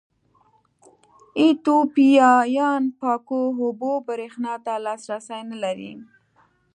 ایتوپیایان پاکو اوبو برېښنا ته لاسرسی نه لري.